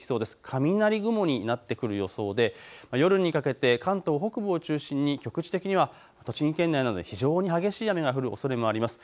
雷雲になってくる予想で夜にかけて関東北部を中心に局地的には栃木県内などで非常に激しい雨が降るおそれがあります。